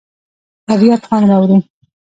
طبیعت خوند راوړي.